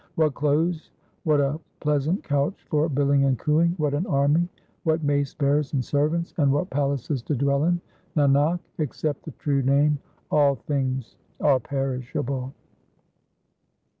What clothes, what a pleasant couch for billing and cooing, What an army, what mace bearers and servants, and what palaces to dwell in ? Nanak, except the true Name all things are perishable.